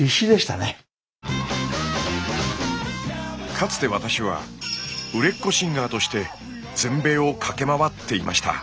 かつて私は売れっ子シンガーとして全米を駆け回っていました。